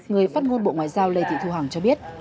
người phát ngôn bộ ngoại giao lê thị thu hằng cho biết